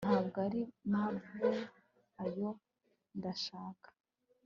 Ntabwo ari marble oya ndashaka